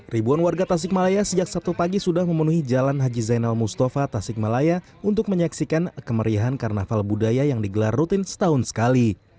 ribuan warga tasikmalaya sejak sabtu pagi sudah memenuhi jalan haji zainal mustafa tasikmalaya untuk menyaksikan kemeriahan karnaval budaya yang digelar rutin setahun sekali